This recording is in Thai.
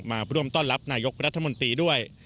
มาร่วมต้อนรับนายกรัฐมนตรีด้วย